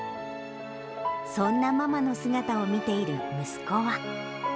そんなママの姿を見ている息子は。